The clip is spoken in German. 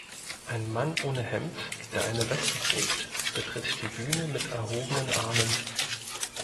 Ein Mann ohne Hemd, der eine Weste trägt, betritt die Bühne mit erhobenen Armen.